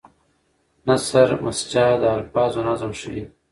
نثر مسجع د الفاظو نظم ښيي.